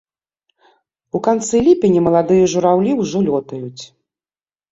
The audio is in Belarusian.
У канцы ліпеня маладыя жураўлі ўжо лётаюць.